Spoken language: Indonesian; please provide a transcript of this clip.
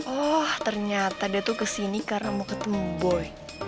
oh ternyata dia tuh kesini karena mau ketemu boy